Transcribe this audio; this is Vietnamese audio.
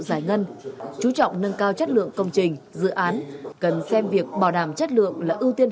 giải ngân chú trọng nâng cao chất lượng công trình dự án cần xem việc bảo đảm chất lượng là ưu tiên